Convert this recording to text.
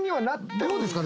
どうですかね？